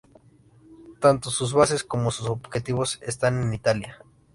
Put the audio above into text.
Tanto sus bases como sus objetivos están en Italia.